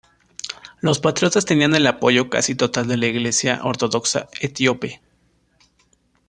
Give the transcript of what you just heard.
Los patriotas tenían el apoyo casi total de la Iglesia ortodoxa etíope.